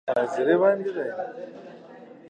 مراد په دې وخت کې سهارنۍ چای څښله.